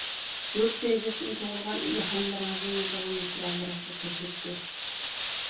يۇرت سۆيگۈسىدىن تۇغۇلغان ئىلھاملىرىڭىزدىن يېزىلغان مىسرالىرىڭىزغا تەشەككۈر.